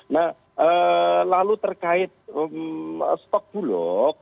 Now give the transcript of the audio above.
nah lalu terkait stok bulog